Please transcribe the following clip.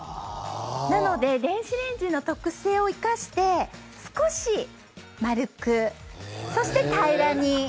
なので、電子レンジの特性を生かして少し丸く、そして平らに。